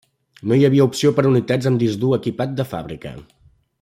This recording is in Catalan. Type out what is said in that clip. No hi havia opció per unitats amb disc dur equipat de fàbrica.